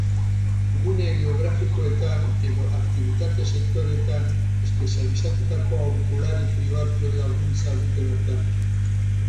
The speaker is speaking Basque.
Gune geografikoetan edo aktibitate sektoretan espezializatutako aholkulari pribatuen laguntza dute bertan.